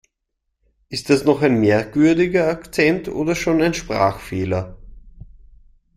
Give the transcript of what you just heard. Ist das noch ein merkwürdiger Akzent oder schon ein Sprachfehler?